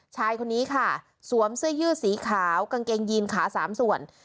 ชายคนนี้ค่ะสวมเสื้อยืดสีขาวกางเกงยีนขา๓ส่วน